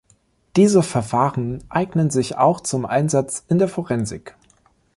Diese Verfahren eignen sich auch zum Einsatz in der Forensik.